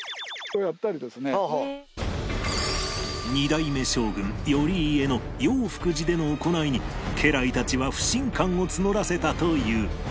２代目将軍頼家の永福寺での行いに家来たちは不信感を募らせたという